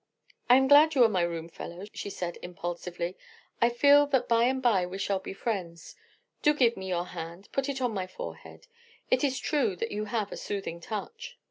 "I am glad you are my roomfellow," she said impulsively. "I feel that by and by we shall be friends. Do give me your hand; put it on my forehead. It is true that you have a soothing touch."